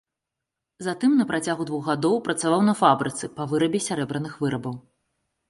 Затым на працягу двух гадоў працаваў на фабрыцы па вырабе сярэбраных вырабаў.